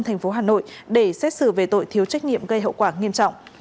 tp hà nội để xét xử về tội thiếu trách nhiệm gây hậu quả nghiêm trọng